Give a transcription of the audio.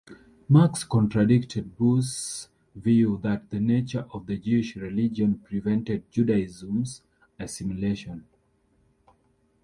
Marx contradicted Bauer's view that the nature of the Jewish religion prevented Judaism's assimilation.